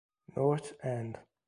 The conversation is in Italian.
North End